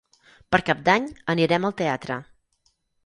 Per Cap d'Any anirem al teatre.